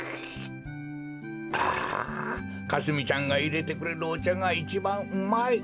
あかすみちゃんがいれてくれるおちゃがいちばんうまい。